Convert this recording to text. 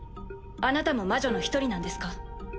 あなたも魔女の一人なんですか？